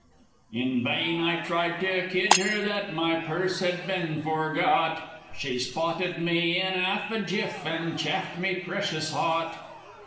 In vain I tried to kid her that my purse had been forgot, She spotted me in 'alf a jiff, and chaffed me precious hot!